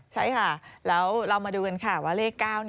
ใช่ค่ะแล้วเรามาดูกันค่ะว่าเลข๙